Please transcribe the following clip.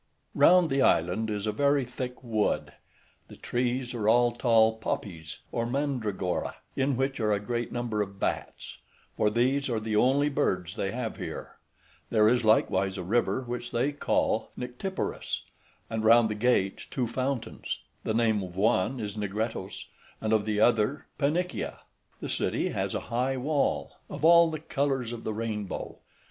Round the island is a very thick wood; the trees are all tall poppies, or mandragorae, {136c} in which are a great number of bats; for these are the only birds they have here; there is likewise a river which they call Nyctiporus, {136d} and round the gates two fountains: the name of one is Negretos, {137a} and of the other Pannychia. {137b} The city has a high wall, of all the colours of the rainbow.